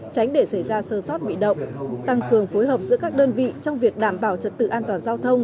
tránh để xảy ra sơ sót bị động tăng cường phối hợp giữa các đơn vị trong việc đảm bảo trật tự an toàn giao thông